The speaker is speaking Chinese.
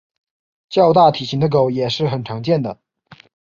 较大体型的狗也是很常见的。